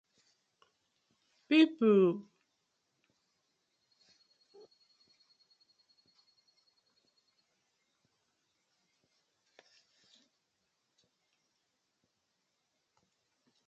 Pipu wey sabi mak toruble boku for dis villag.